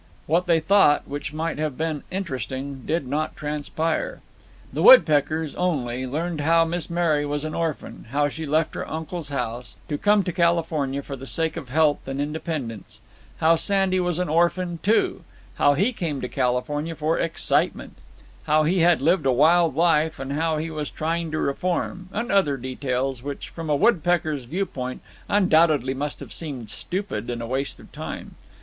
What they thought which might have been interesting did not transpire. The woodpeckers only learned how Miss Mary was an orphan; how she left her uncle's house, to come to California, for the sake of health and independence; how Sandy was an orphan, too; how he came to California for excitement; how he had lived a wild life, and how he was trying to reform; and other details, which, from a woodpecker's viewpoint, undoubtedly must have seemed stupid, and a waste of time.